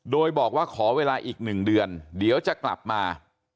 โดยบอกว่าขอเวลาอีก๑เดือนเดี๋ยวจะกลับมา